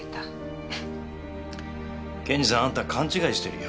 検事さんあんた勘違いしてるよ。